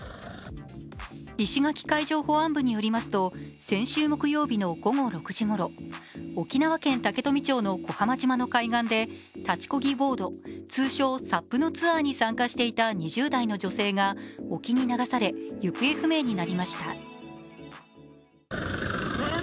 石垣海上保安部によりますと、先週木曜日の午後６時ごろ、沖縄県竹富町の小浜島の海岸で立ちこぎボード、通称・ＳＵＰのツアーに参加していた２０代の女性が沖に流され行方不明になりました。